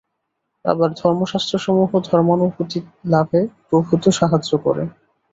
আবার ধর্মশাস্ত্রসমূহ ধর্মানুভূতিলাভে প্রভূত সাহায্য করে।